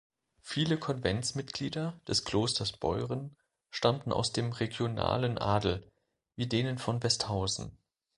Viele Konventsmitglieder des Klosters Beuren stammten aus dem regionalen Adel, wie denen von Westhausen.